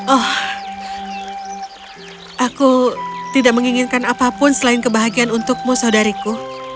oh aku tidak menginginkan apapun selain kebahagiaan untukmu saudariku